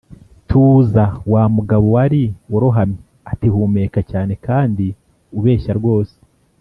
'tuza.' wa mugabo wari urohamye, ati: 'humeka cyane kandi ubeshya rwose.'